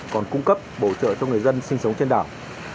còn cung cấp bổ trợ cho người dân sinh sống trên đảo